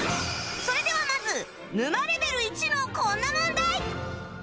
それではまず沼レベル１のこんな問題